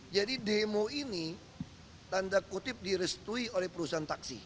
jadi demo ini tanda kutip direstui oleh perusahaan taksi